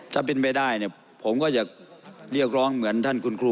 ถ้าเป็นไปได้เนี่ยผมก็จะเรียกร้องเหมือนท่านคุณครู